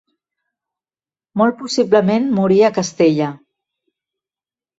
Molt possiblement morí a Castella.